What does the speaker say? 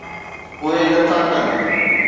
اهي نٿا ڪن.